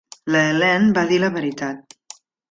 La Helene va dir la veritat.